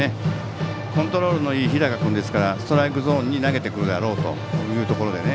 コントロールのいい日高君ですからストライクゾーンに投げてくるだろうというところで。